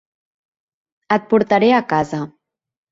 Et portaré a casa.